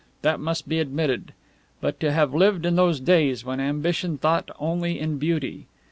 That must be admitted. But to have lived in those days when ambition thought only in beauty!